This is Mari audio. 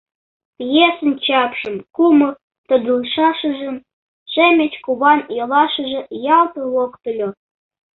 Пьесын чапшым, кумыл тодылшашыжым Шемеч куван йолашыже ялт локтыльо.